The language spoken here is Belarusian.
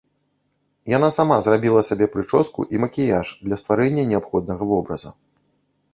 Яна сама зрабіла сабе прычоску і макіяж для стварэння неабходнага вобраза.